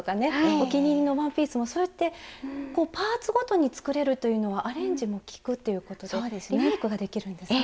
お気に入りのワンピースもそうやってパーツごとに作れるというのはアレンジも利くということでリメークができるんですね。